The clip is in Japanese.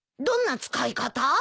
どんな使い方？